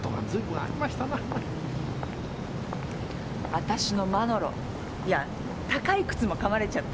わたしのマノロいや高い靴もかまれちゃって。